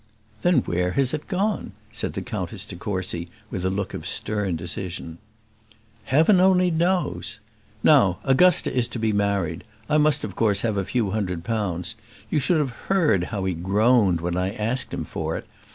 "Then where has it gone?" said the Countess de Courcy, with a look of stern decision. "Heaven only knows! Now, Augusta is to be married. I must of course have a few hundred pounds. You should have heard how he groaned when I asked him for it.